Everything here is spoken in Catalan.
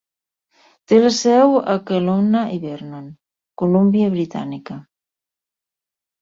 Té la seu a Kelowna i Vernon, Columbia Britànica.